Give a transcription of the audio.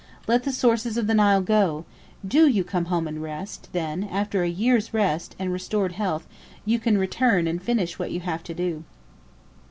Let the sources of the Nile go do you come home and rest; then, after a year's rest, and restored health, you can return and finish what you have to do."